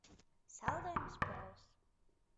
Saldējums Pols.